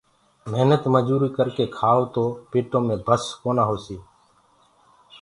مهنت مجوري ڪرڪي کآئو تو پيٽو مي چرٻي نآ هوئي